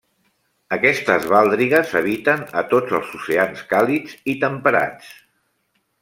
Aquestes baldrigues habiten a tots els oceans càlids i temperats.